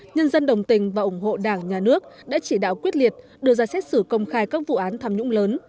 nhân dân đồng tình và ủng hộ đảng nhà nước đã chỉ đạo quyết liệt đưa ra xét xử công khai các vụ án tham nhũng lớn